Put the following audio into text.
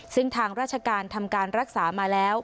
ซึ่งทางราชการทำการรักษามาแล้ว